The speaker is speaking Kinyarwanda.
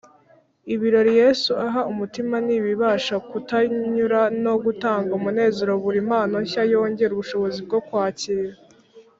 . Ibirori Yesu aha umutima ntibibasha kutanyura no gutanga umunezero. Buri mpano nshya yongera ubushobozi bwo kwakira